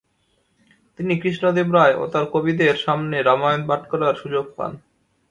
তিনি কৃষ্ণদেবরায় ও তাঁর কবিদের সামনে রামায়ণ পাঠ করার সুযোগ পান।